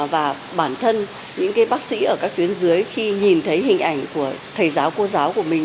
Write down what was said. và bản thân những bác sĩ ở các tuyến dưới khi nhìn thấy hình ảnh của thầy giáo cô giáo của mình